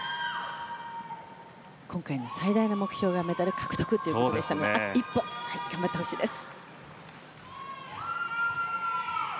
今回の最大の目標がメダル獲得ということでしたからあと一歩頑張ってほしいです。